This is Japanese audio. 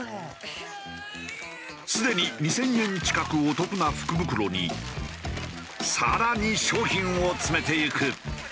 すでに２０００円近くお得な福袋に更に商品を詰めていく。